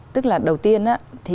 tức là đầu tiên